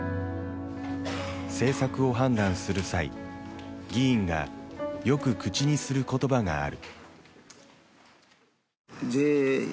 政策を判断する際議員がよく口にする言葉がある。